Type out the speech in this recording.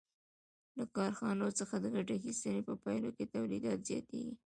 له کارخانو څخه د ګټې اخیستنې په پایله کې تولیدات زیاتېږي